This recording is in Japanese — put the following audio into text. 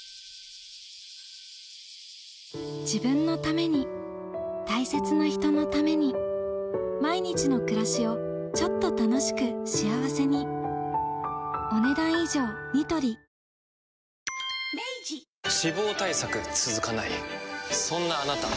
自分のために大切な人のために毎日の暮らしをちょっと楽しく幸せに脂肪対策続かないそんなあなた。